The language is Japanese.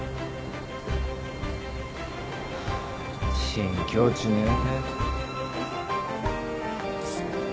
新境地ねぇ。